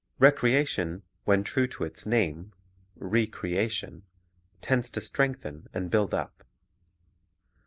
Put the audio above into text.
Recreation, when true to its name, re creation, tends to strengthen and build up.